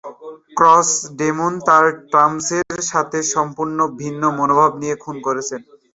Cross Damon বড় টমাসের থেকে সম্পূর্ণ ভিন্ন মনোভাব নিয়ে খুন করেছে।